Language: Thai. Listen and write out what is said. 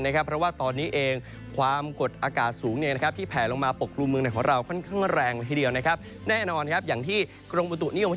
เพราะว่าตอนนี้เองความกดอากาศสูงที่แผลลงมาปกครุมเมืองไหนของเราค่อนข้างแรงละทีเดียวนะครับ